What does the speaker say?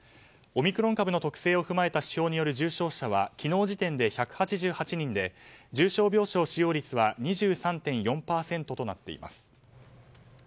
オミクロン株の特性を踏まえた指標による重症者は昨日時点で１８８人で重症病床使用率は２３．４％となっています。